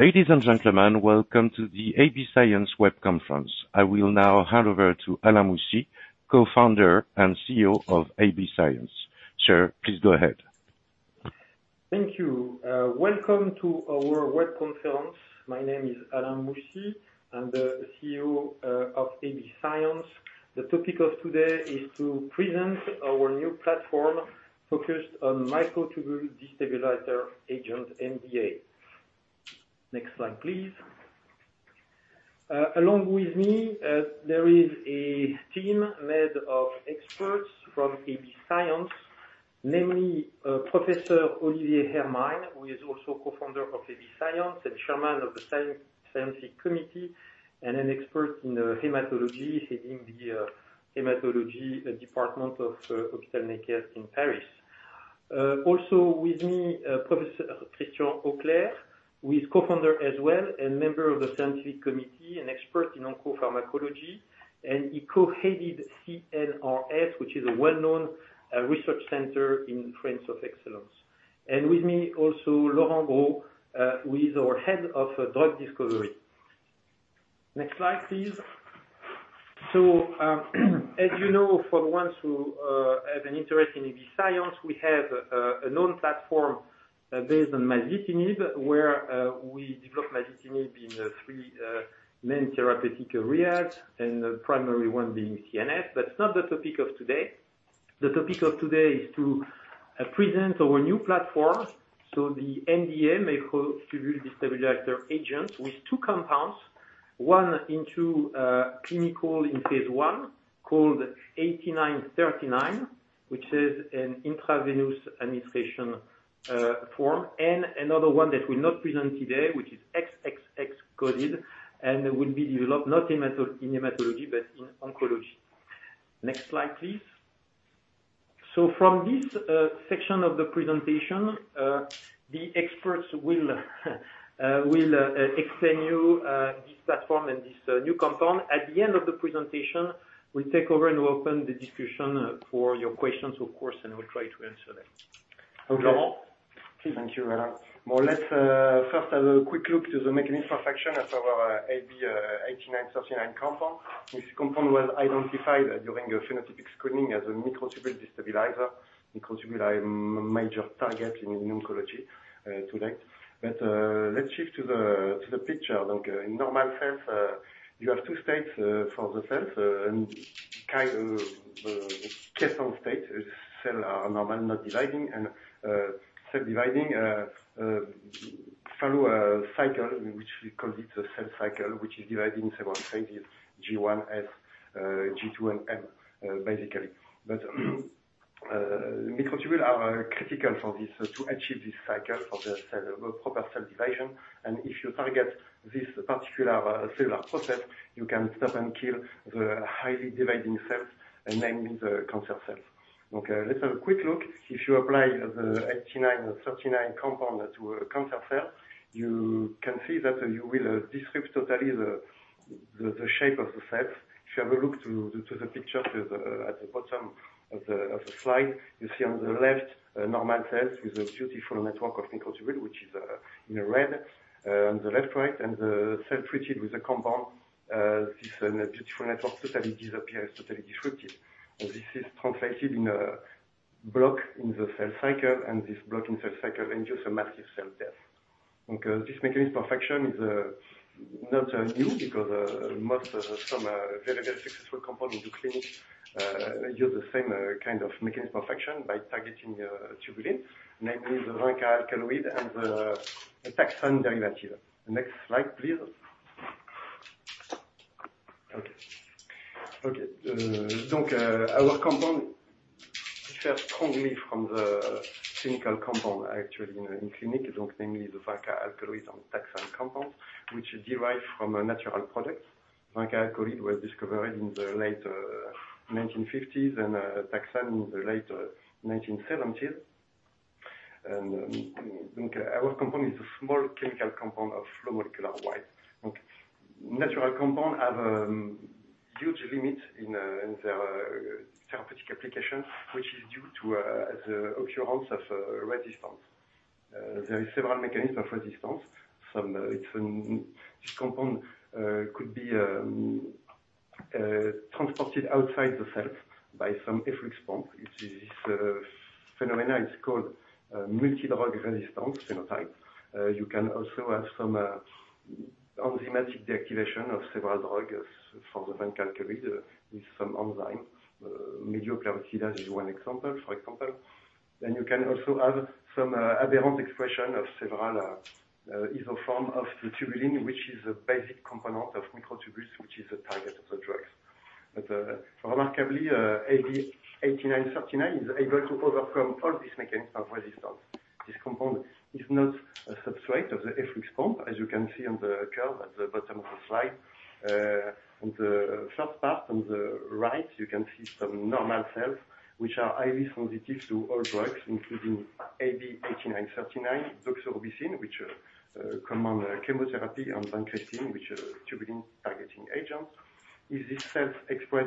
Ladies and gentlemen, welcome to the AB Science web conference. I will now hand over to Alain Moussy, Co-founder and CEO of AB Science. Sir, please go ahead. Thank you. Welcome to our web conference. My name is Alain Moussy. I'm the CEO of AB Science. The topic of today is to present our new platform focused on microtubule destabilizer agent, MDA. Next slide, please. Along with me, there is a team made of experts from AB Science, namely, Professor Olivier Hermine, who is also Co-founder of AB Science and Chairman of the Scientific Committee and an expert in hematology, heading the Hematology Department of Hôpital Necker in Paris. Also with me, Professor Christian Auclair, who is Co-founder as well and member of the Scientific Committee and expert in oncopharmacology. He co-headed CNRS, which is a well-known research center in France of excellence. With me also, Laurent Guy, who is our Head of Drug Discovery. Next slide, please. As you know, for the ones who have an interest in AB Science, we have a known platform based on masitinib, where we develop masitinib in three main therapeutic areas, and the primary one being CNS, but it's not the topic of today. The topic of today is to present our new platform. The MDA, microtubule destabilizer agent, with two compounds, one into clinical in phase I called AB8939, which is an intravenous administration form. Another one that we'll not present today, which is XXX coded, and will be developed not in hematology, but in oncology. Next slide, please. From this section of the presentation, the experts will explain you this platform and this new compound. At the end of the presentation, we'll take over and open the discussion for your questions, of course, and we'll try to answer them. Laurent. Okay. Please. Thank you, Alain. Well, let's first have a quick look to the mechanism of action of our AB8939 compound. This compound was identified during a phenotypic screening as a microtubule destabilizer. Microtubule are major target in oncology today. Let's shift to the picture. Like, in normal cells, you have two states for the cells. The quiescent state is cell are normal, not dividing. Cell dividing follow a cycle which we call it the cell cycle, which is dividing several phases: G1, S, G2, and M, basically. Microtubule are critical for this to achieve this cycle for the cell, proper cell division. If you target this particular cellular process, you can stop and kill the highly dividing cells, and namely the cancer cells. Let's have a quick look. If you apply the AB8939 compound to a cancer cell, you can see that you will disrupt totally the shape of the cells. If you have a look to the picture with at the bottom of the slide, you see on the left normal cells with a beautiful network of microtubule, which is in the red on the left side. The cell treated with the compound, this beautiful network totally disappears, totally disrupted. This is translated in a block in the cell cycle, and this block in cell cycle induce a massive cell death. Okay, this mechanism of action is not new because some very, very successful compounds in the clinic use the same kind of mechanism of action by targeting tubulin, namely the vinca alkaloid and the taxane derivative. The next slide, please. Okay. Okay. Our compound differ strongly from the chemical compound actually in clinic, like namely the vinca alkaloid and taxane compounds, which derive from a natural product. Vinca alkaloid was discovered in the late 1950s and taxane in the late 1970s. Our compound is a small chemical compound of low molecular weight. Natural compound have huge limit in their therapeutic application, which is due to the occurrence of resistance. There is several mechanism of resistance. Some, it's an... This compound could be transported outside the cell by some efflux pump, which is this phenomena. It's called multidrug resistance phenotype. You can also have some enzymatic deactivation of several drugs from the vinca alkaloid with some enzyme. Myeloperoxidase is one example. You can also have some aberrant expression of several isoform of the tubulin, which is a basic component of microtubules, which is the target of the drugs. Remarkably, AB8939 is able to overcome all these mechanisms of resistance. This compound is not a substrate of the efflux pump, as you can see on the curve at the bottom of the slide. On the first part on the right, you can see some normal cells which are highly sensitive to all drugs, including AB8939, doxorubicin, which are common chemotherapy, and vincristine, which is tubulin targeting agent. If these cells express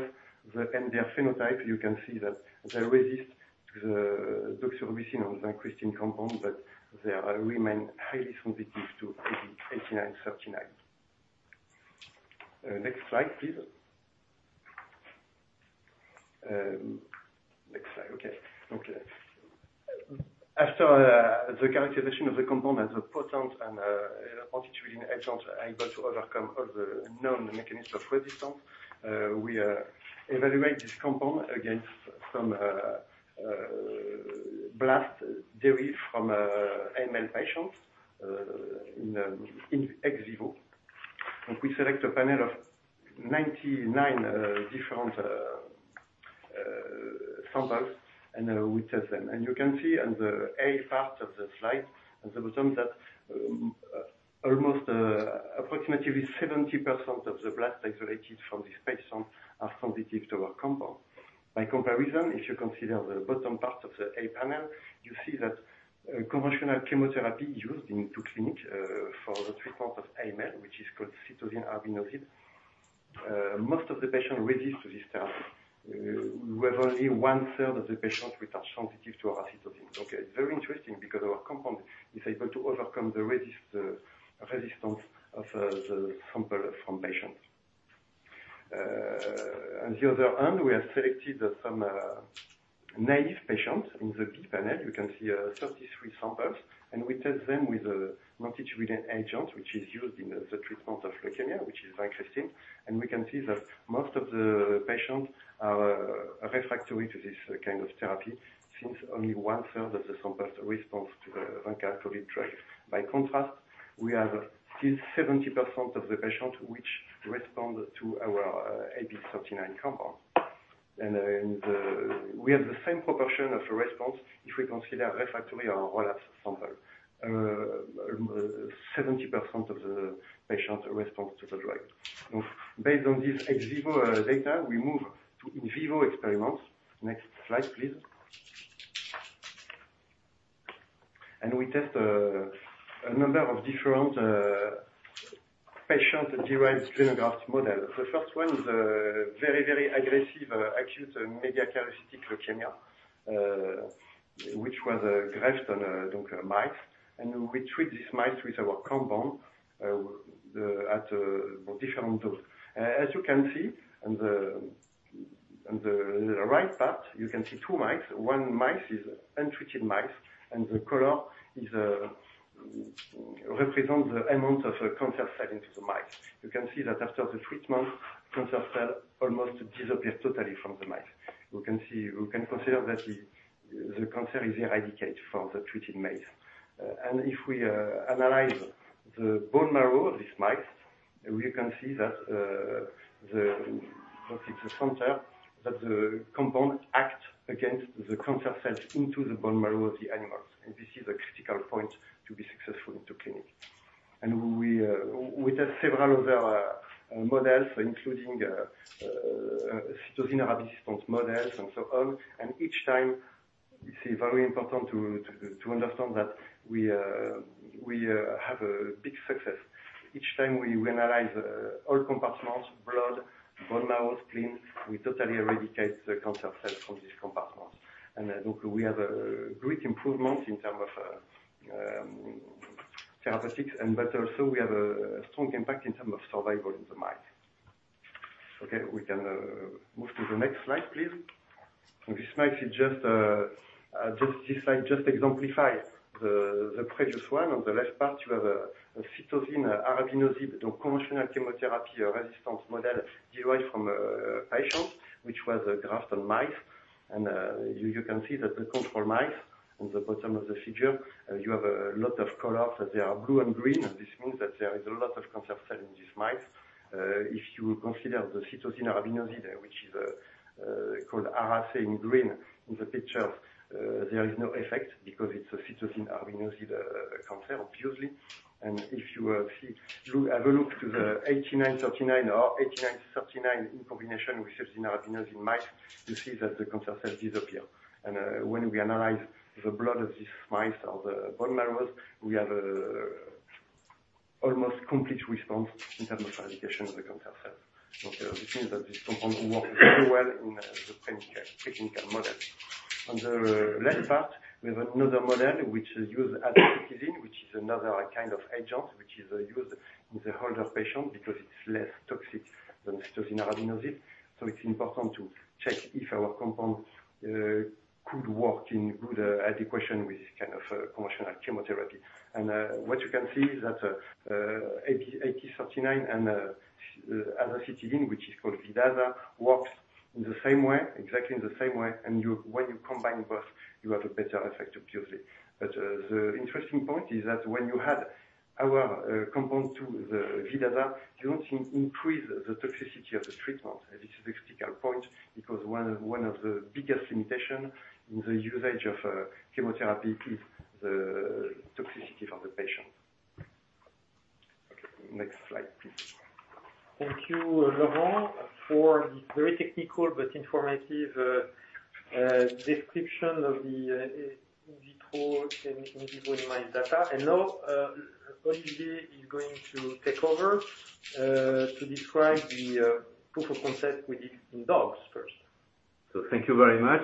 the MDR phenotype, you can see that they resist the doxorubicin or vincristine compound, but they remain highly sensitive to AB8939. Next slide, please. Next slide. After the characterization of the compound as a potent and multidrug agent able to overcome all the known mechanisms of resistance, we evaluate this compound against some blast derived from AML patients in ex vivo. And we select a panel of 99 different samples and we test them. You can see in the A part of the slide at the bottom that, almost, approximately 70% of the blast isolated from this patient are sensitive to our compound. By comparison, if you consider the bottom part of the A panel, you see that conventional chemotherapy used into clinic for the treatment of AML, which is called cytarabinoside. Most of the patients resist this therapy. We have only one-third of the patients which are sensitive to our cytarabinoside. Okay. It's very interesting because our compound is able to overcome the resistance of the sample from patients. On the other hand, we have selected some naive patients in the B panel. You can see 33 samples, and we test them with a multidrug agent which is used in the treatment of leukemia, which is vincristine. We can see that most of the patients are refractory to this kind of therapy, since only one-third of the samples respond to the vinca alkaloid drug. By contrast, we have still 70% of the patients which respond to our AB8939 compound. We have the same proportion of response if we consider refractory or relapse sample. 70% of the patients respond to the drug. Based on this ex vivo data, we move to in vivo experiments. Next slide, please. We test a number of different patient-derived xenograft model. The first one is a very aggressive acute megakaryocytic leukemia, which was grafted on nude mice. We treat these mice with our compound at a different dose. As you can see on the right part, you can see two mice. One mice is untreated mice, and the color is represent the amount of cancer cell into the mice. You can see that after the treatment, cancer cell almost disappear totally from the mice. You can see, you can consider that the cancer is eradicated from the treated mice. If we analyze the bone marrow of these mice, we can see that the, what is the center, that the compound acts against the cancer cells into the bone marrow of the animals. This is a critical point to be successful into clinic. We test several other models including cytarabine models and so on. Each time it is very important to understand that we have a big success. Each time we analyze, all compartments: blood, bone marrows, spleen, we totally eradicate the cancer cells from these compartments. Look, we have a great improvement in term of, therapeutics and, but also we have a strong impact in term of survival in the mice. Okay, we can, move to the next slide, please. This mice is just, this slide just exemplify the previous one. On the left part you have a cytarabinoside, the conventional chemotherapy resistance model derived from a patient which was grafted mice. You can see that the control mice on the bottom of the figure, you have a lot of colors that they are blue and green. This means that there is a lot of cancer cell in these mice. If you consider the cytarabinoside, which is called Ara-C in green in the picture, there is no effect because it's a cytarabinoside cancer obviously. If you have a look to the AB8939 or AB8939 in combination with cytarabinoside in mice, you see that the cancer cells disappear. When we analyze the blood of these mice or the bone marrows, we have almost a complete response in terms of eradication of the cancer cells. Okay. This means that this compound works very well in the preclinical model. On the right part, we have another model which use azacitidine, which is another kind of agent, which is used in the older patient because it's less toxic than cytarabinoside. It's important to check if our compound could work in good adequation with this kind of conventional chemotherapy. What you can see is that AB8939 and azacitidine, which is called Vidaza, works in the same way, exactly in the same way. When you combine both, you have a better effect obviously. The interesting point is that when you add our compound to the Vidaza, you don't increase the toxicity of the treatment. This is a critical point because one of the biggest limitation in the usage of chemotherapy is the toxicity for the patient. Next slide please. Thank you, Laurent, for this very technical but informative description of the talk in detail in my data. Now, Olivier is going to take over to describe the proof of concept we did in dogs first. Thank you very much.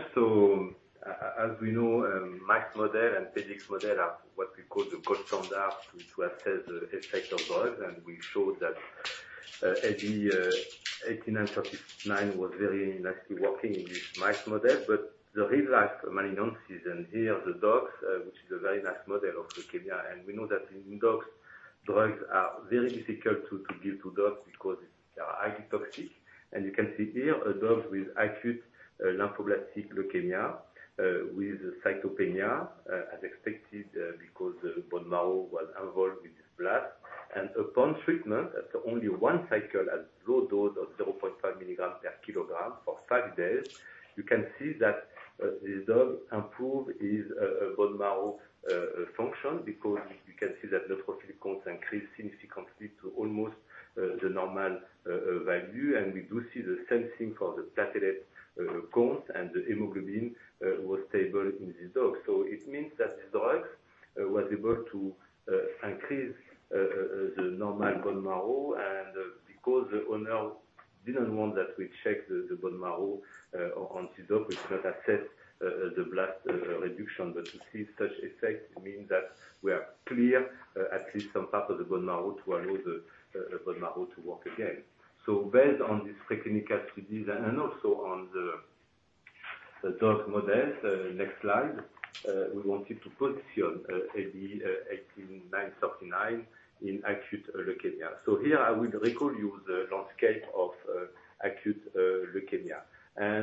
As we know, mice model and PDX model are what we call the gold standard to assess the effect of drugs. We showed that AB8939 was very nicely working in this mice model. The real life malignancy is in here, the dogs, which is a very nice model of leukemia. We know that in dogs, drugs are very difficult to give to dogs because they are highly toxic. You can see here a dog with acute lymphoblastic leukemia, with cytopenia, as expected, because the bone marrow was involved with this blast. Upon treatment at only one cycle at low dose of 0.5mg/kg for five days, you can see that the dog improve his bone marrow function. Because you can see that neutrophilic count increased significantly to almost the normal value. We do see the same thing for the platelet count and the hemoglobin was stable in this dog. It means that the drug was able to increase the normal bone marrow. Because the owner didn't want that we check the bone marrow on his dog, we could not assess the blast reduction. To see such effect means that we are clear at least some part of the bone marrow to allow the bone marrow to work again. Based on this preclinical studies and also on the dog models, next slide, we wanted to position AB8939 in acute leukemia. Here I will recall you the landscape of acute leukemia.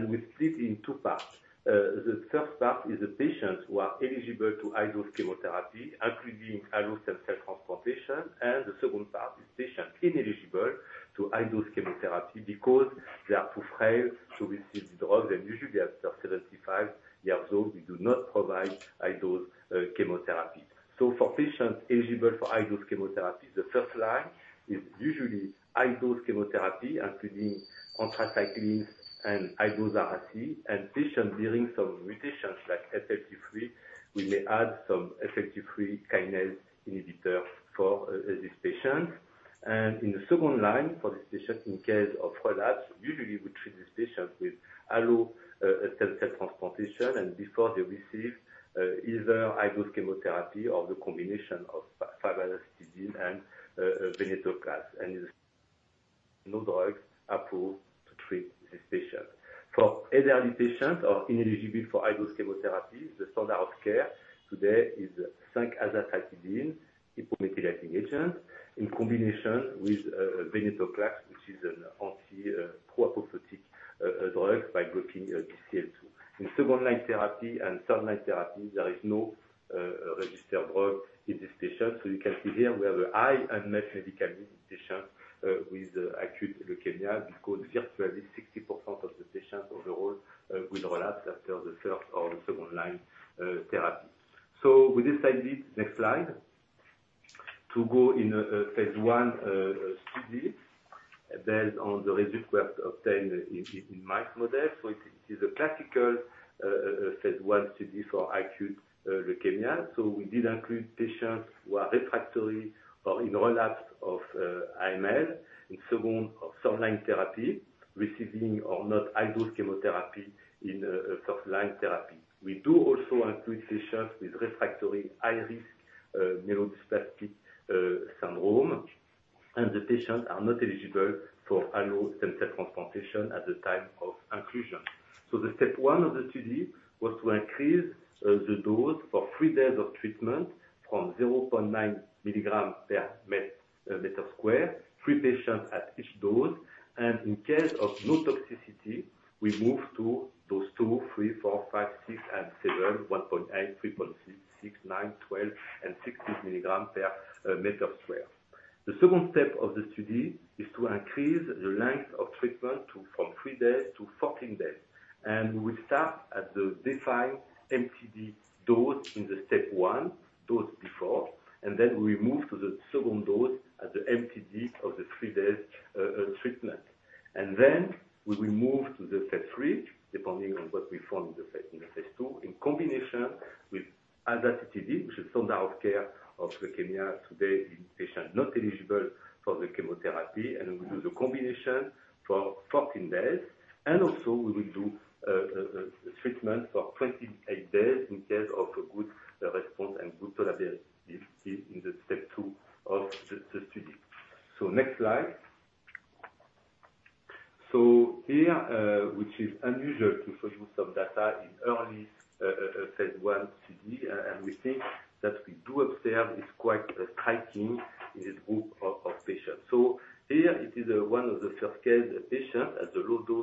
We split in two parts. The first part is the patients who are eligible to high-dose chemotherapy, including allogeneic cell transplantation. The second part is patients ineligible to high-dose chemotherapy because they are too frail to receive the drugs. Usually they are above 75 years old, we do not provide high-dose chemotherapy. For patients eligible for high-dose chemotherapy, the first line is usually high-dose chemotherapy, including anthracyclines and high-dose Ara-C. Patients bearing some mutations like FLT3, we may add some FLT3 kinase inhibitor for these patients. In the second line for these patients in case of relapse, usually we treat these patients with allo stem cell transplantation. Before they receive either high-dose chemotherapy or the combination of 5-azacitidine and venetoclax. There's no drugs approved to treat these patients. For elderly patients or ineligible for high-dose chemotherapy, the standard of care today is 5-azacitidine hypomethylating agent in combination with venetoclax, which is an anti proapoptotic drug by blocking BCL2. In second-line therapy and third-line therapy, there is no registered drug in these patients. You can see here we have a high unmet medical need in patients with acute leukemia because virtually 60% of the patients overall will relapse after the third or second-line therapy. We decided, next slide, to go in a phase I study based on the results we obtained in mice model. It is a classical phase I study for acute leukemia. We did include patients who are refractory or in relapse of AML in second or third line therapy, receiving or not high-dose chemotherapy in first-line therapy. We do also include patients with refractory high risk myelodysplastic syndrome, and the patients are not eligible for allogeneic stem cell transplantation at the time of inclusion. The step one of the study was to increase the dose for three days of treatment from 0.9mg per meter square, three patients at each dose. In case of no toxicity, we move to dose 2, 3, 4, 5, 6, and 7, 1.8, 3.6, 9, 12, and 16mg per meter square. The second step of the study is to increase the length of treatment to from three days to 14 days. We will start at the defined MTD dose in the step 1, dose before. Then we move to the second dose at the MTD of the three days treatment. Then we will move to the phase III, depending on what we found in the phase II, in combination with azacitidine, which is standard of care of leukemia today in patients not eligible for the chemotherapy. We will do the combination for 14 days. Also we will do a treatment for 28 days in case of a good response and good tolerability in the step 2 of the study. Next slide. Here, which is unusual to show you some data in early phase I study, and we think that we do observe is quite striking in this group of patients. Here it is, one of the first case patient at the low dose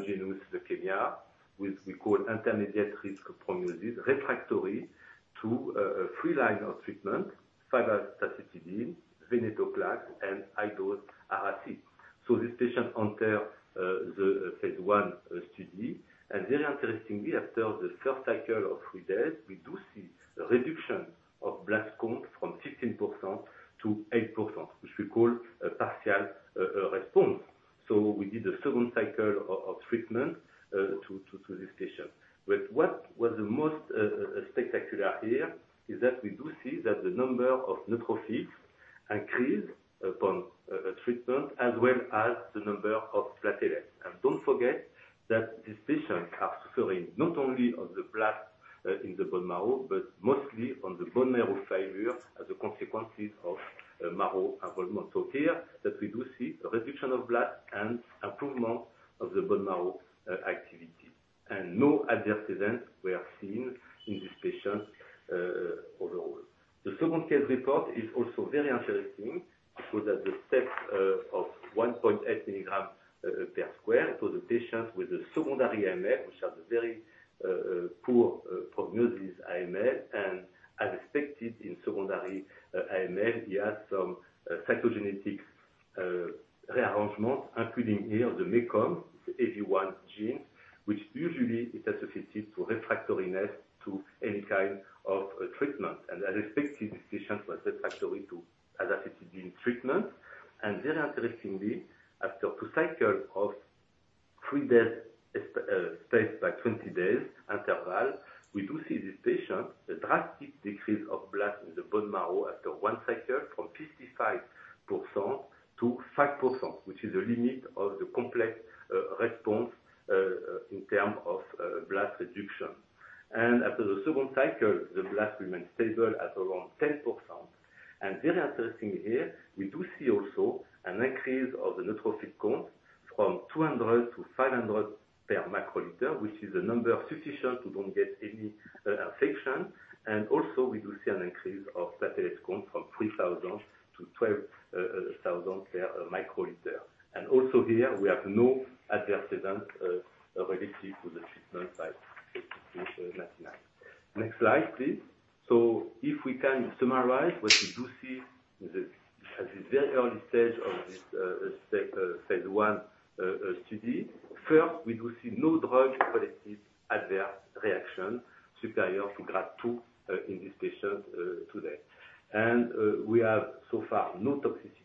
of 0.9mg per meter square. This patient is an elderly patient of 81 years old with a de novo acute myelogenous leukemia, with we call intermediate risk prognosis, refractory to three line of treatment: 5-azacitidine, venetoclax, and high-dose Ara-C. This patient entered the phase I study. Very interestingly, after the first cycle of three days, to any kind of treatment. As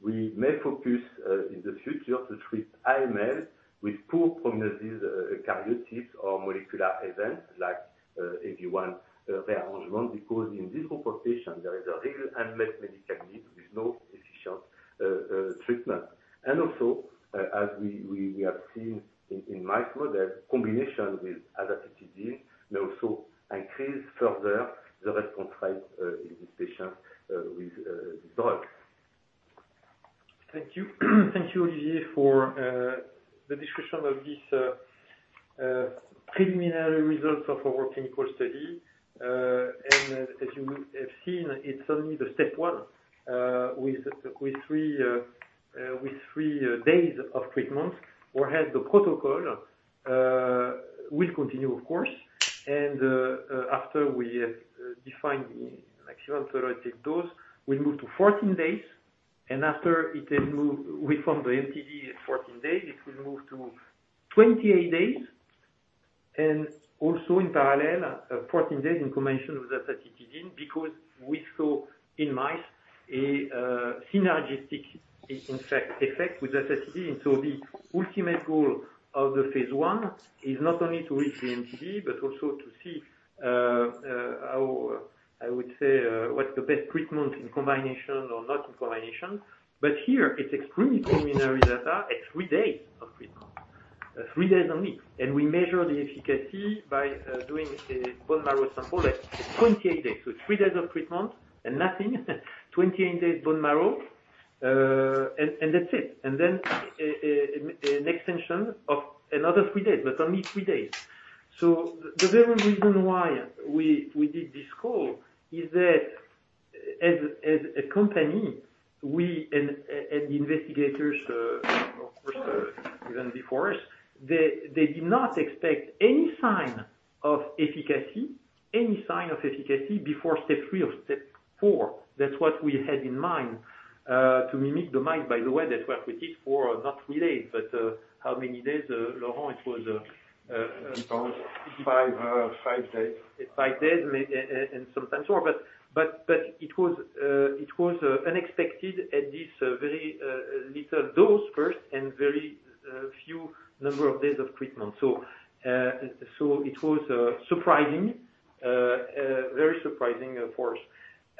we may focus in the future to treat AML with poor prognosis karyotypes or molecular events like EVI1 rearrangement. In this group of patients, there is a real unmet medical need with no efficient treatment. Also, as we have seen in mice model, combination with azacitidine may also increase further the response rate in these patients with this drug. Thank you. Thank you, Olivier, for the description of this preliminary results of our clinical study. As you have seen, it's only the step one, with three days of treatment. Whereas the protocol will continue of course. After we have defined maximum tolerated dose, we'll move to 14 days. After we form the MTD at 14 days, it will move to 28 days. Also in parallel, 14 days in combination with azacitidine, because we saw in mice a synergistic in fact effect with azacitidine. The ultimate goal of the phase I is not only to reach the MTD, but also to see. How I would say, what's the best treatment in combination or not in combination. But here it's extremely preliminary data at three days of treatment, three days only. And we measure the efficacy by doing a bone marrow sample at 28 days. So it's three days of treatment and nothing 28 days bone marrow, and that's it. And then an extension of another three days, but only three days. The very reason why we did this call is that as a company, we and the investigators, of course, even before us, they did not expect any sign of efficacy, any sign of efficacy before step 3 or step 4. That's what we had in mind, to mimic the mice, by the way, that were treated for not three days, but, how many days, Laurent, it was. five days. Five days may, and sometimes more. It was unexpected at this very little dose first and very few number of days of treatment. It was surprising, very surprising, of course.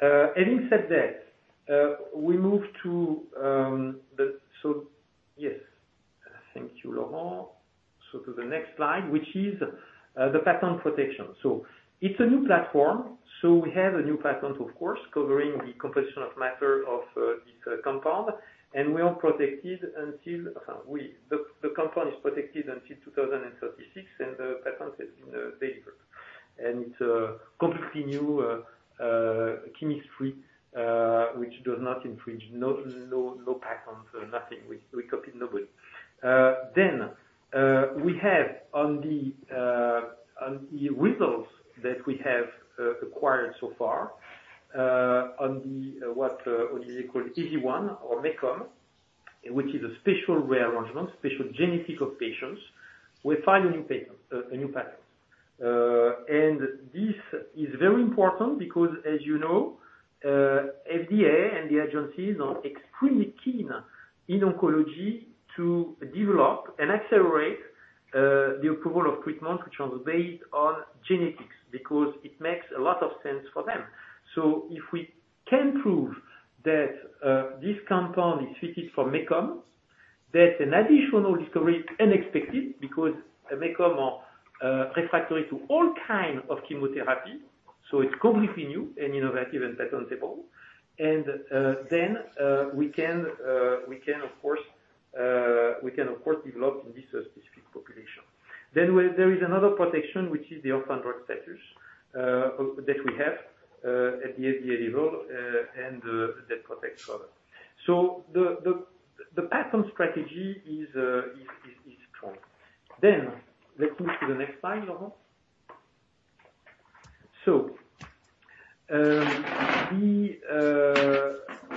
Having said that, we move to the... Yes. Thank you, Laurent. To the next slide, which is the patent protection. It's a new platform, we have a new patent, of course, covering the composition of matter of this compound, and we are protected until... The compound is protected until 2036, and the patent is in deliver. It's a completely new chemistry, which does not infringe. No, no patents, nothing. We copied nobody. We have on the results that we have acquired so far on what is it called, EVI1 or MECOM, which is a special rare arrangement, special genetic of patients. We file a new patent. This is very important because as you know, FDA and the agencies are extremely keen in oncology to develop and accelerate the approval of treatment, which was based on genetics because it makes a lot of sense for them. If we can prove that this compound is treated for MECOM, that's an additional discovery unexpected because MECOM are refractory to all kind of chemotherapy, so it's completely new and innovative and patentable. Then we can of course develop in this specific population. There is another protection which is the orphan drug designation that we have at the FDA level, and that protects product. The patent strategy is strong. Let's move to the next slide, Laurent.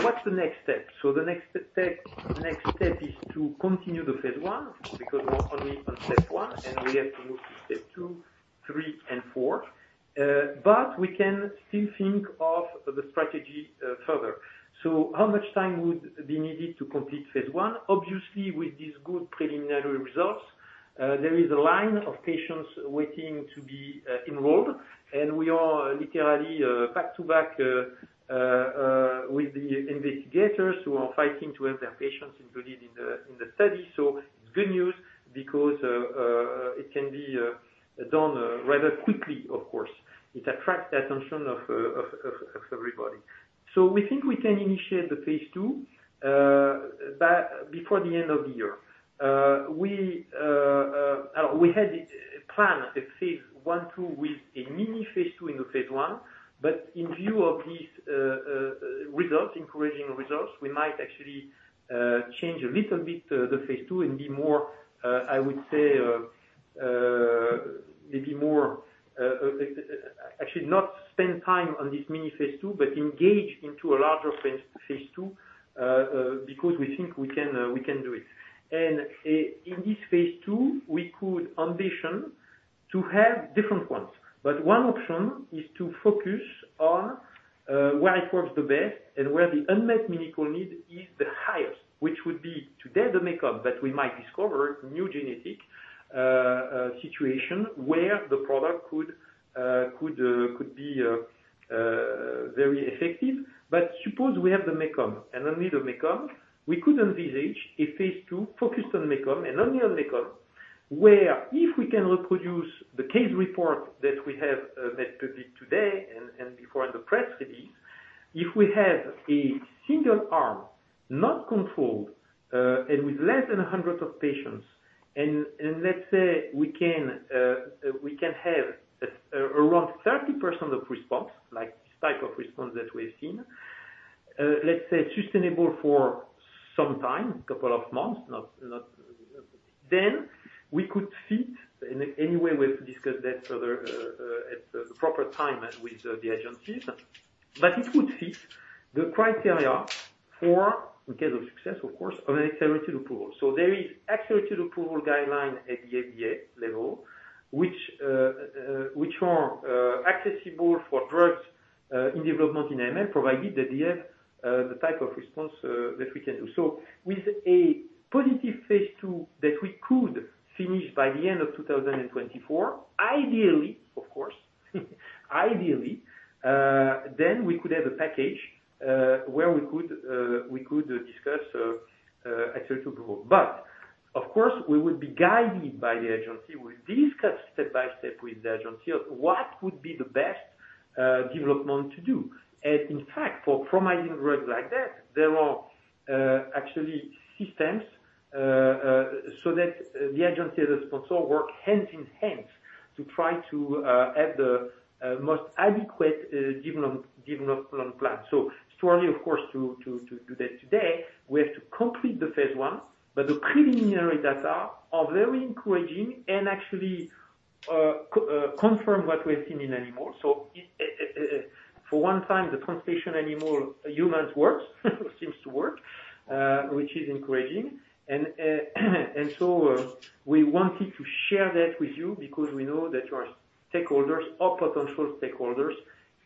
What's the next step? The next step is to continue the phase I, because we're only on step 1, and we have to move to step 2, 3 and 4. We can still think of the strategy further. How much time would be needed to complete phase I? Obviously, with these good preliminary results, there is a line of patients waiting to be enrolled, and we are literally back-to-back with the investigators who are fighting to have their patients included in the study. It's good news because it can be done rather quickly, of course. It attracts the attention of everybody. We think we can initiate the phase II by before the end of the year. We had planned a phase I, II with a mini phase II in the phase I. In view of these results, encouraging results, we might actually change a little bit the phase II and be more, I would say, maybe more, actually not spend time on this mini phase II, but engage into a larger phase II, because we think we can we can do it. In this phase II, we could ambition to have different ones. One option is to focus on where it works the best and where the unmet medical need is the highest, which would be today the MECOM that we might discover new genetic situation where the product could be very effective. Suppose we have the MECOM and only the MECOM, we could envisage a phase II focused on MECOM and only on MECOM, where if we can reproduce the case report that we have made public today and before in the press release. If we have a single arm, not controlled, and with less than 100 patients, and let's say we can have at around 30% of response, like this type of response that we've seen. Let's say sustainable for some time, a couple of months. We could fit in any way we have to discuss that further at the proper time with the agencies. It would fit the criteria for, in case of success of course, an Accelerated Approval. There is Accelerated Approval guideline at the FDA level, which are accessible for drugs in development in AML, provided that they have the type of response that we can do. With a positive phase II that we could finish by the end of 2024, ideally, of course, ideally, then we could have a package where we could discuss actual approval. Of course, we would be guided by the agency. We discuss step by step with the agency of what would be the best development to do. In fact, for promising drugs like that, there are actually systems so that the agency and the sponsor work hand in hand to try to have the most adequate development plan. Summary, of course, to date today, we have to complete the phase I, but the preliminary data are very encouraging and actually, confirm what we have seen in animals. It, for one time, the translation animal humans works, seems to work, which is encouraging. We wanted to share that with you because we know that you are stakeholders or potential stakeholders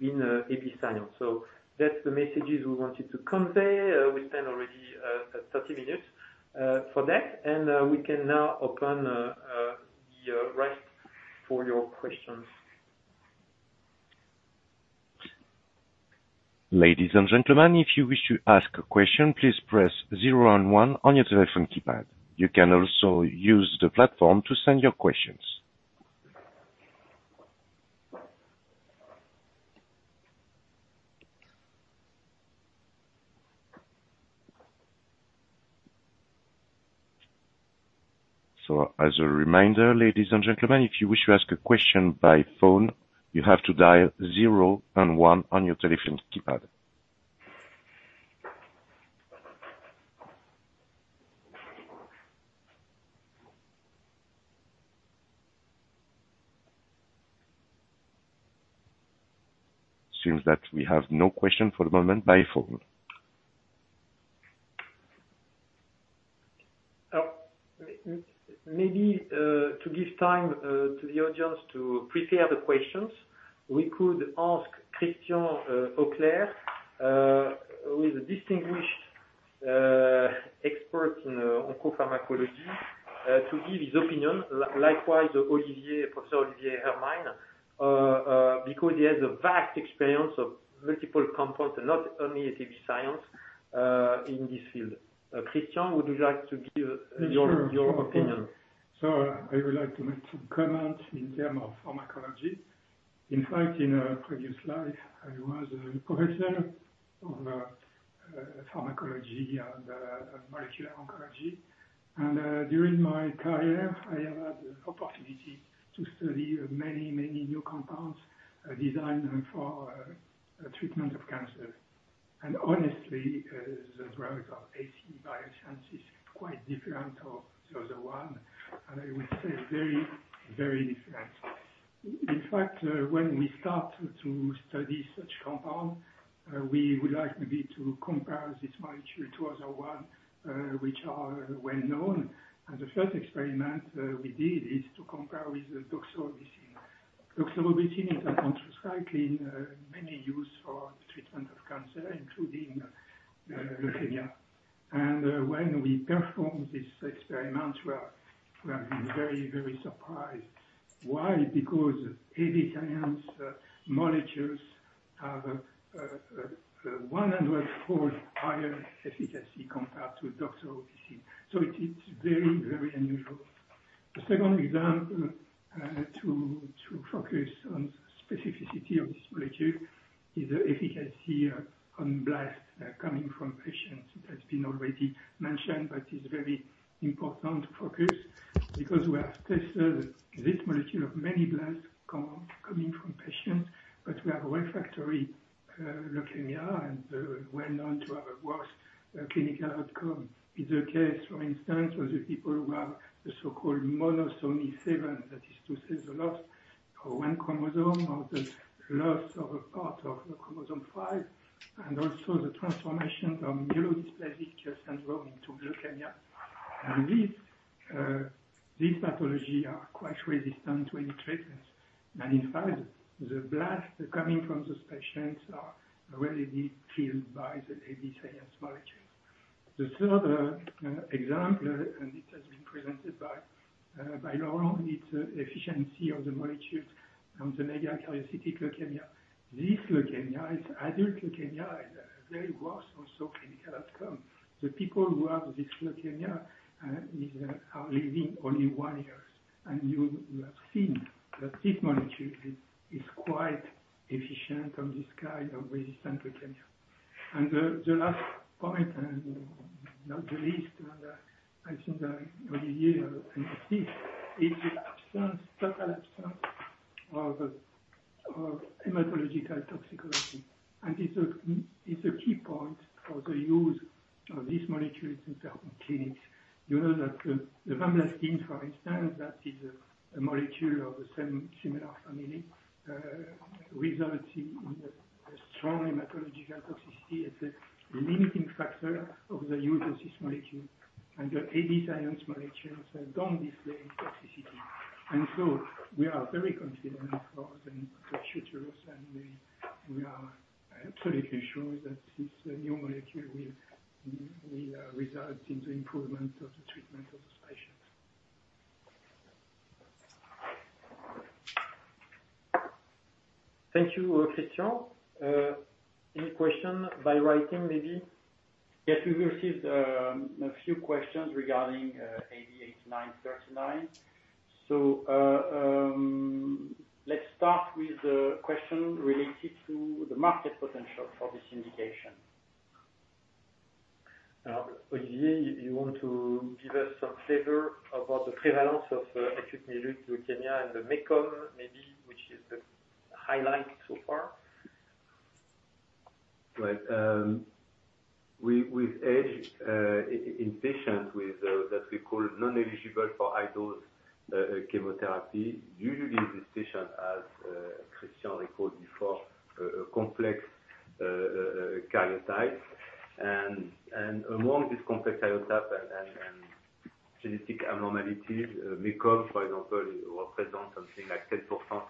in AB Science. That's the messages we wanted to convey. We spent already 30 minutes for that, and we can now open the rest for your questions. Ladies and gentlemen, if you wish to ask a question, please press zero and one on your telephone keypad. You can also use the platform to send your questions. As a reminder, ladies and gentlemen, if you wish to ask a question by phone, you have to dial zero and one on your telephone keypad. Seems that we have no question for the moment by phone. Maybe to give time to the audience to prepare the questions, we could ask Christian Auclair, who is a distinguished expert in onco-pharmacology, to give his opinion. Likewise, Olivier, Professor Olivier Hermine, because he has a vast experience of multiple compounds and not only AB Science, in this field. Christian, would you like to give your opinion? I would like to make some comments in term of pharmacology. In fact, in a previous life, I was a professor of pharmacology and molecular oncology. During my career, I have had the opportunity to study many, many new compounds designed for treatment of cancer. Honestly, the drug of AB Science is quite different to the other one, and I would say very, very different. In fact, when we start to study such compound, we would like maybe to compare this molecule to other one, which are well known. The first experiment we did is to compare with the doxorubicin. Doxorubicin is a anthracycline, mainly used for treatment of cancer, including leukemia. When we performed this experiment, we are very, very surprised. Why? AB Science molecules have a 100-fold higher efficacy compared to doxorubicin. It's very unusual. The second example, to focus on specificity of this molecule is the efficacy on blast coming from patients. It has been already mentioned, but is very important to focus because we have tested this molecule of many blasts coming from patients, but we have refractory leukemia and well known to have a worse clinical outcome. In the case, for instance, of the people who have the so-called monosomy 7, that is to say, the loss of one chromosome or the loss of a part of the chromosome 5, and also the transformation from myelodysplastic syndrome into leukemia. These pathology are quite resistant to any treatments. In fact, the blasts coming from those patients are readily killed by the AB Science molecules. The third example, and it has been presented by Laurent, it's efficiency of the molecules on the megakaryocytic leukemia. This leukemia is adult leukemia and a very worse also clinical outcome. The people who have this leukemia are living only one years. You have seen that this molecule is quite efficient on this kind of resistant leukemia. The last point, and not the least, I think Olivier can assist, is the absence, total absence of hematological toxicity. It's a key point for the use of these molecules in term of clinics. You know that the vinorelbine, for instance, that is a molecule of the same similar family, results in a strong hematological toxicity. It's a limiting factor of the use of this molecule. The AB Science molecules don't display toxicity. We are very confident for the futures, and we are totally sure that this new molecule will result in the improvement of the treatment of these patients. Thank you, Christian. Any question by writing, maybe? Yes, we received a few questions regarding AB8939. Let's start with the question related to the market potential for this indication. Now, Olivier, you want to give us some flavor about the prevalence of acute myeloid leukemia and the MECOM maybe, which is the highlight so far? Right. With age, in patients with that we call non-eligible for high-dose chemotherapy, usually this patient has Christian recalled before, a complex karyotype. Among this complex karyotype and genetic abnormalities, MECOM, for example, represent something like 10%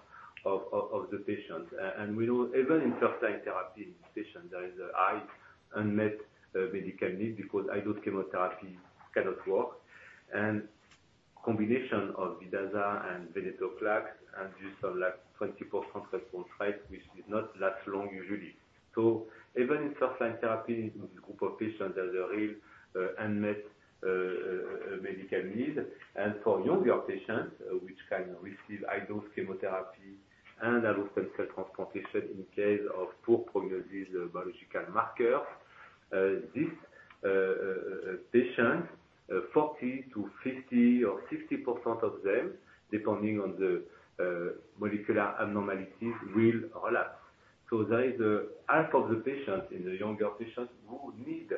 of the patients. We know even in first-line therapy patients, there is a high unmet medical need because high-dose chemotherapy cannot work. Combination of Vidaza and venetoclax have just unlike 24% response rate which does not last long usually. Even in first-line therapy in this group of patients, there's a real unmet medical need. For younger patients, which can receive high-dose chemotherapy and allogeneic stem cell transplantation in case of poor prognosis biological marker, this patient, 40%-50% or 60% of them, depending on the molecular abnormalities, will relapse. There is a half of the patients in the younger patients who need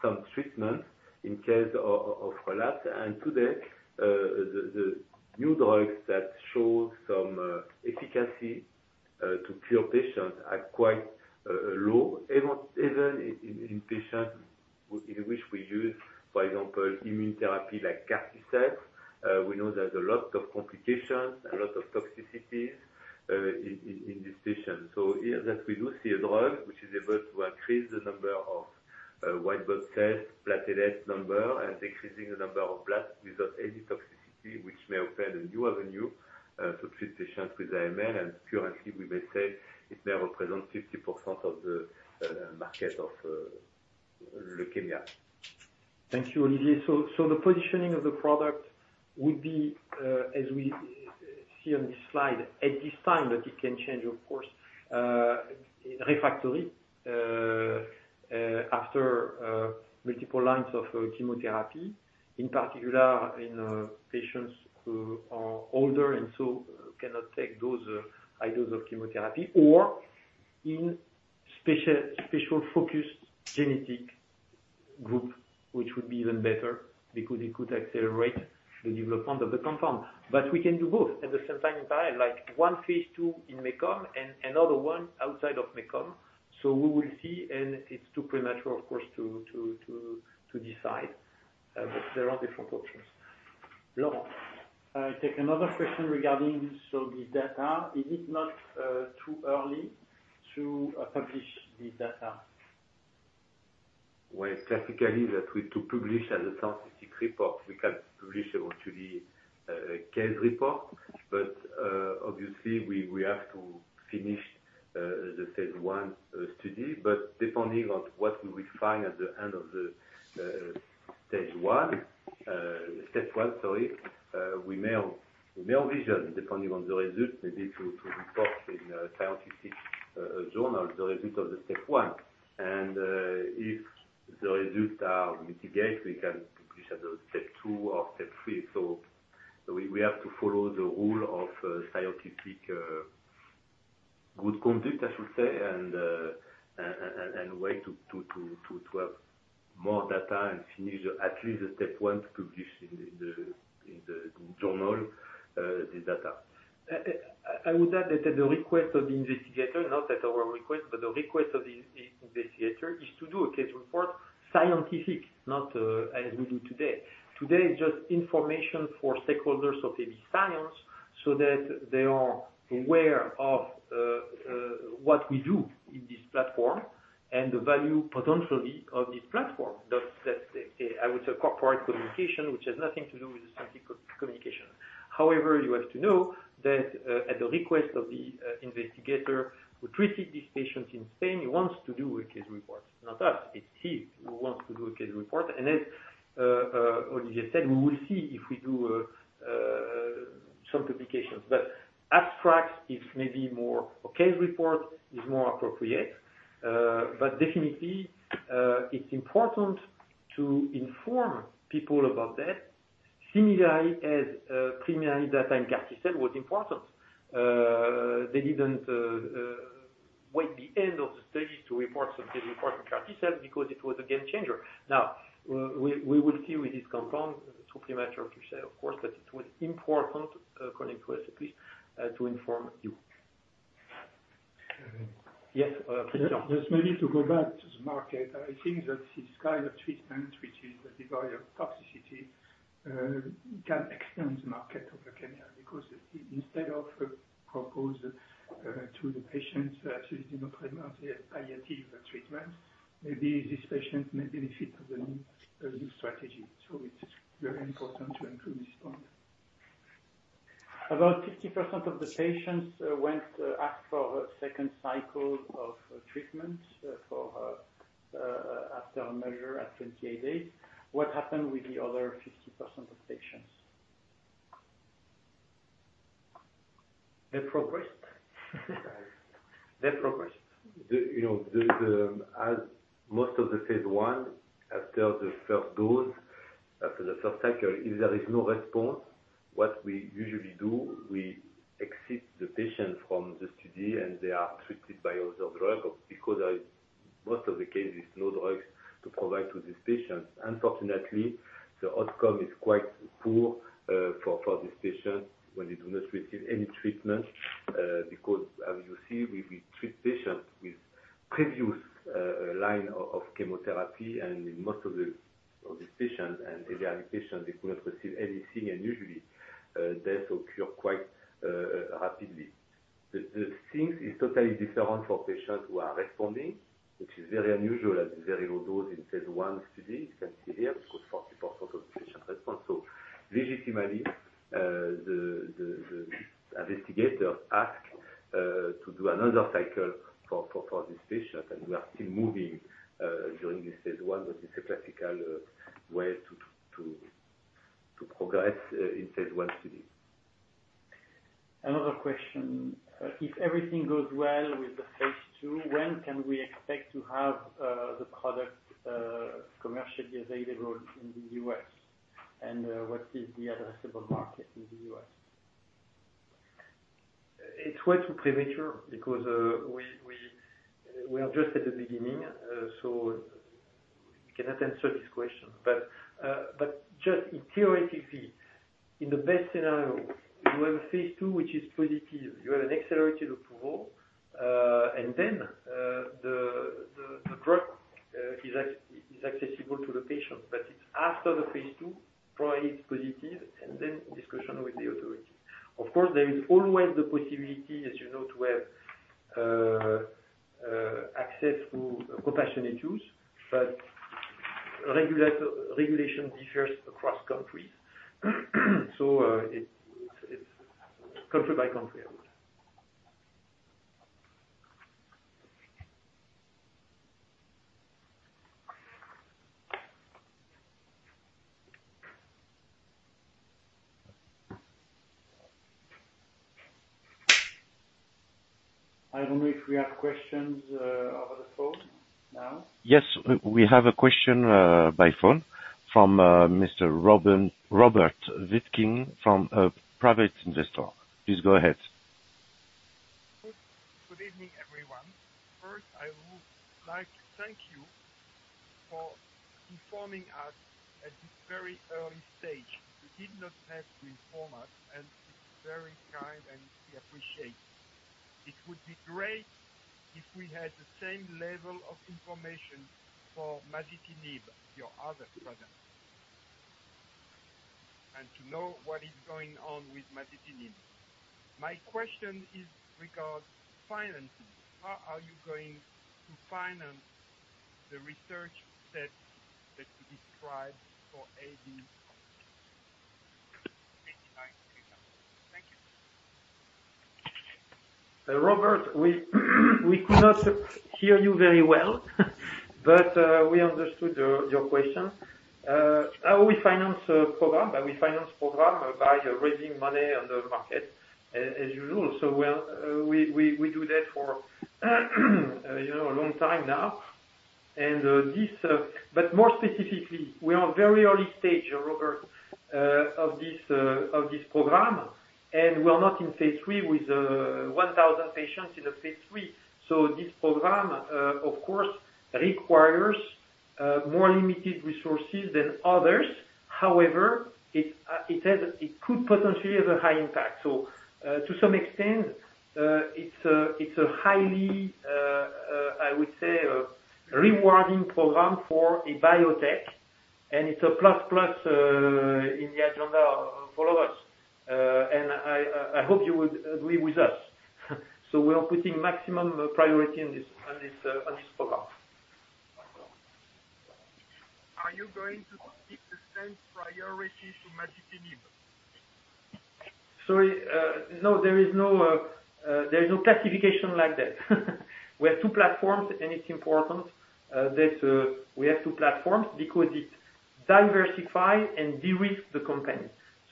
some treatment in case of relapse. Today, the new drugs that show some efficacy to cure patients are quite low. Even in patients in which we use, for example, immune therapy like CAR T cells, we know there's a lot of complications, a lot of toxicities, in these patients. Here that we do see a drug which is able to increase the number of white blood cells, platelet number, and decreasing the number of blasts without any toxicity, which may open a new avenue to treat patients with AML. Currently, we may say it may represent 50% of the market of leukemia. Thank you, Olivier. The positioning of the product would be, as we see on this slide, at this time, that it can change, of course, refractory after multiple lines of chemotherapy. In particular, in patients who are older and so cannot take those high dose of chemotherapy or in special focused genetic group, which would be even better because it could accelerate the development of the compound. We can do both at the same time in parallel, like one phase II in MECOM and another one outside of MECOM. We will see. It's too premature, of course, to decide. There are different options. Laurent. I take another question regarding so this data. Is it not too early to publish this data? Well, classically, that we to publish as a scientific report, we can publish it onto the case report. Obviously, we have to finish the phase I study. Depending on what we will find at the end of the step 1, we may have vision, depending on the result, maybe to report in a scientific journal the result of the step 1. If the results are mitigated, we can publish at the step 2 or step 3. We have to follow the rule of scientific good conduct, I should say, and wait to have more data and finish at least the step 1 to publish in the journal the data. I would add that at the request of the investigator, not at our request, but the request of the investigator is to do a case report scientific, not as we do today. Today is just information for stakeholders of AB Science so that they are aware of what we do in this platform and the value potentially of this platform. That's I would say corporate communication, which has nothing to do with the scientific communication. However, you have to know that at the request of the investigator who treated these patients in Spain, he wants to do a case report. Not us. It's he who wants to do a case report. As Olivier said, we will see if we do some publications. Abstract is maybe more. A case report is more appropriate. Definitely, it's important to inform people about that similarly as preliminary data in CAR T cell was important. They didn't wait the end of the study to report something important CAR T cell because it was a game changer. We will see with this compound. It's too premature to say, of course, but it was important communicatively to inform you. Yes, Christian. Just maybe to go back to the market. I think that this kind of treatment, which is a degree of toxicity, can extend the market of azacitidine because instead of propose to the patient that is in a treatment, a palliative treatment, maybe this patient may benefit from the new strategy. It is very important to include this point. About 50% of the patients, asked for a second cycle of treatment, for, after a measure at 28 days. What happened with the other 50% of patients? They progressed. They progressed. The, you know, as most of the phase I after the first dose, after the first cycle, if there is no response, what we usually do, we exit the patient from the study, and they are treated by other drug because most of the case is no drugs to provide to these patients. Unfortunately, the outcome is quite poor for these patients when they do not receive any treatment because as you see, we treat patients with previous line of chemotherapy. Most of these patients and elderly patients, they could not receive anything. Usually, death occur quite rapidly. The thing is totally different for patients who are responding, which is very unusual at very low dose in phase I study. You can see here because 40% of patients respond. Legitimately, the investigator ask to do another cycle for these patients. We are still moving during this phase I. It's a classical way to progress in phase I study. Another question. If everything goes well with the phase II, when can we expect to have, the product, commercially available in the U.S.? What is the addressable market in the U.S.? It's way too premature because we are just at the beginning, so cannot answer this question. Just theoretically, in the best scenario, you have a phase II which is positive, you have an Accelerated Approval, and then the drug is accessible to the patient. It's after the phase II, provided it's positive, and then discussion with the authority. Of course, there is always the possibility, as you know, to have access through compassionate use. Regulation differs across countries, so it's country by country, I would say. I don't know if we have questions, over the phone now. Yes, we have a question by phone from Mr. Robin-Robert Witkin from a private investor. Please go ahead. Good evening, everyone. First, I would like to thank you for informing us at this very early stage. You did not have to inform us, and it's very kind, and we appreciate it. It would be great if we had the same level of information for masitinib, your other product. To know what is going on with masitinib. My question is regards financing. How are you going to finance the research that you described for AB Science? Thank you. Robert, we could not hear you very well, but we understood your question. How we finance a program? We finance program by raising money on the market as usual. We're, we do that for, you know, a long time now. More specifically, we are very early stage, Robert, of this program, and we are not in phase three with 1,000 patients in the phase three. This program, of course, requires more limited resources than others. However, it could potentially have a high impact. To some extent, it's a highly, I would say, rewarding program for a biotech, and it's a plus in the agenda for us. I hope you would agree with us. We are putting maximum priority on this program. Are you going to give the same priority to masitinib? Sorry. No, there is no classification like that. We have two platforms, and it's important that we have two platforms because it diversify and de-risk the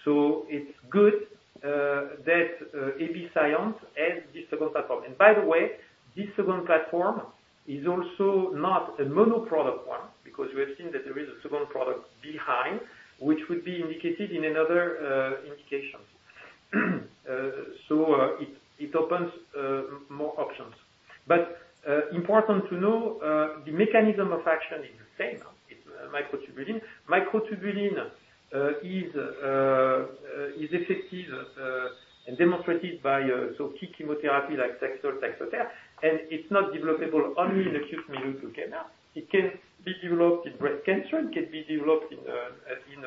company. It's good that AB Science has this second platform. By the way, this second platform is also not a mono product one, because we have seen that there is a second product behind which would be indicated in another indication. It opens more options. Important to know, the mechanism of action is the same. Microtubule. Microtubule is effective and demonstrated by so key chemotherapy like Taxol, Taxotere, and it's not developable only in acute myeloid leukemia. It can be developed in breast cancer, it can be developed in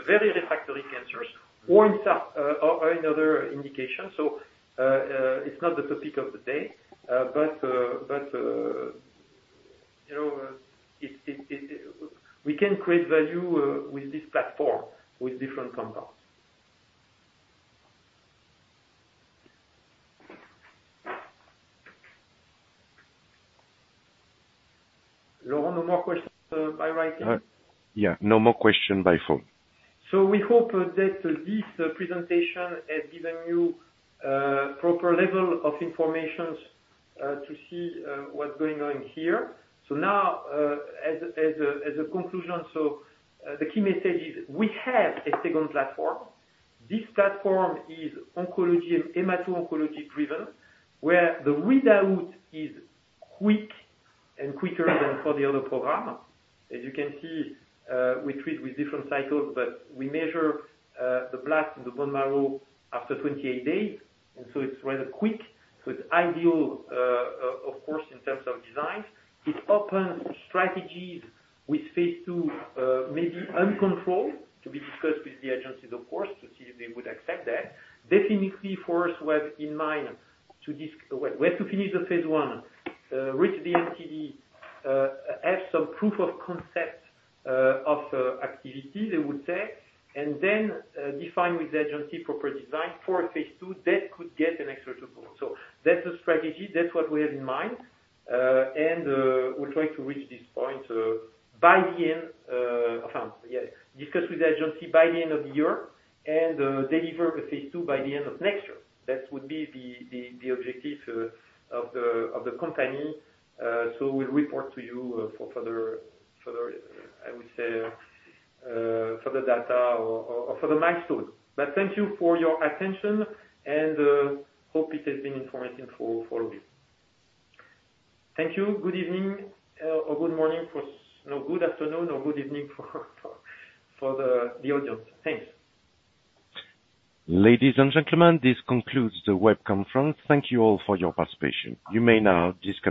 very refractory cancers or in other indications. It's not the topic of the day. But, you know, We can create value with this platform, with different compounds. Laurent, no more questions by writing? Yeah, no more question by phone. We hope that this presentation has given you a proper level of informations to see what's going on here. Now, as a conclusion, the key message is we have a second platform. This platform is oncology and hemato-oncology driven, where the readout is quick and quicker than for the other program. As you can see, we treat with different cycles, but we measure the blast in the bone marrow after 28 days, and so it's rather quick. It's ideal, of course, in terms of design. It opens strategies with phase II, maybe uncontrolled, to be discussed with the agencies, of course, to see if they would accept that. Definitely for us we have in mind We have to finish the phase I, reach the MTD, have some proof of concept of activity, they would say, and then define with the agency proper design for a phase II that could get a Breakthrough approval. That's the strategy, that's what we have in mind. we're trying to reach this point by the end, discuss with the agency by the end of the year and deliver a phase II by the end of next year. That would be the objective of the company. we'll report to you for further, I would say, further data or further milestone. Thank you for your attention and hope it has been informative for you. Thank you. Good evening, or good afternoon or good evening for the audience. Thanks. Ladies and gentlemen, this concludes the web conference. Thank you all for your participation. You may now disconnect.